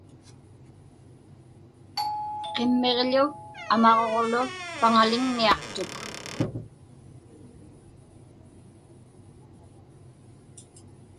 Qimmiġḷu amaġuġlu paŋaliŋniaqtuk.